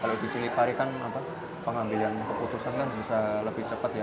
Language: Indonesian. kalau di cili pari kan pengambilan keputusan bisa lebih cepat ya